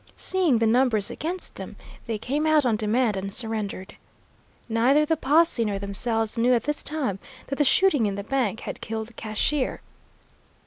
Seeing the numbers against them, they came out on demand and surrendered. Neither the posse nor themselves knew at this time that the shooting in the bank had killed the cashier.